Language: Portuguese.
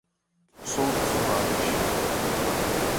Souto Soares